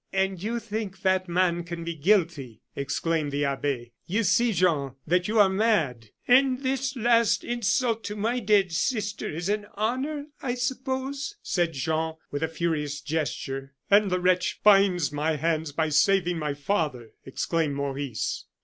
"And you think that man can be guilty!" exclaimed the abbe. "You see, Jean, that you are mad!" "And this last insult to my dead sister is an honor, I suppose," said Jean, with a furious gesture. "And the wretch binds my hands by saving my father!" exclaimed Maurice.